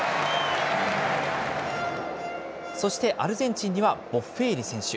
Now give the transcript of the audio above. そしてアルゼンチンにはボッフェーリ選手。